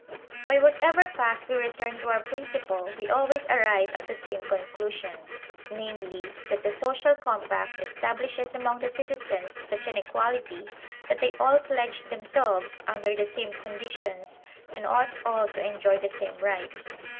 By whatever path we return to our principle we always arrive at the same conclusion, viz, that the social com pact establishes among the citizens such an equality that they all pledge themselves under the same conditions and ought all to enjoy the same rights.